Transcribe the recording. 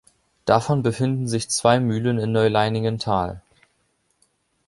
Davon befinden sich zwei Mühlen in Neuleiningen-Tal.